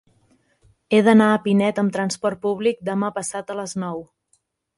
He d'anar a Pinet amb transport públic demà passat a les nou.